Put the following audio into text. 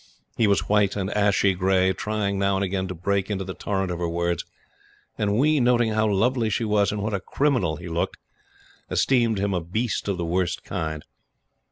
He was white and ashy gray, trying now and again to break into the torrent of her words; and we, noting how lovely she was and what a criminal he looked, esteemed him a beast of the worst kind.